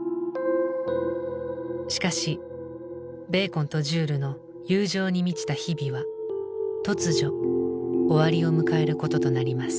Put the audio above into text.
しかしベーコンとジュールの友情に満ちた日々は突如終わりを迎えることとなります。